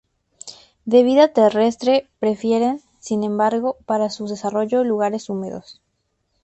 De vida terrestre, prefieren, sin embargo, para su desarrollo lugares húmedos.